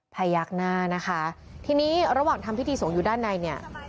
พยักหน้านะคะทีนี้ระหว่างทำพิธีสงฆ์อยู่ด้านในเนี่ย